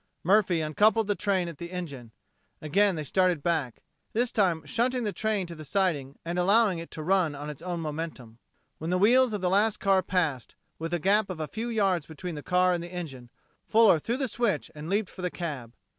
Murphy uncoupled the train at the engine. Again they started back, this time shunting the train to the siding and allowing it to run on its own momentum. When the wheels of the last car passed, with a gap of a few yards between the car and the engine, Fuller threw the switch and leaped for the cab.